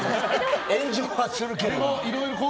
炎上はするけど。